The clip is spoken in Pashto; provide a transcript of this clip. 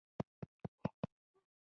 کرنیزه ځمکه او پلورنځي لرل.